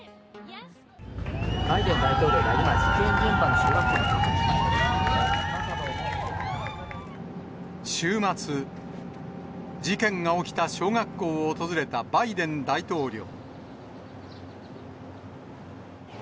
バイデン大統領が今、週末、事件が起きた小学校を訪れたバイデン大統領。